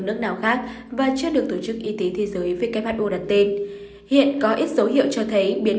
nước nào khác và chưa được tổ chức y tế thế giới who đặt tên hiện có ít dấu hiệu cho thấy biến